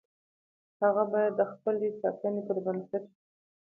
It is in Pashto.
هغه باید د خپلې ټاکنې پر بنسټ وي.